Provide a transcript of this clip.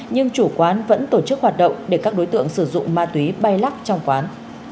nhưng chủ quán vẫn tổ chức hoạt động để các đối tượng sử dụng ma túy bay lắc trong quán